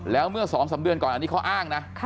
แล้วเมื่อ๒๓เดือนก่อนอันนี้เขาอ้างนะ